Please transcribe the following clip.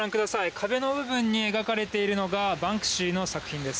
壁の部分に描かれているのがバンクシーの作品です。